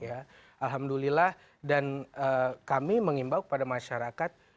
alhamdulillah dan kami mengimbau kepada masyarakat